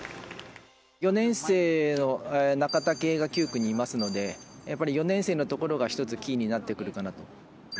４年生の中武が９区にいますので４年生のところが１つキーになってくるかなと。